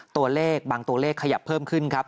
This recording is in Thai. ตัวเลขบางตัวเลขขยับเพิ่มขึ้นครับ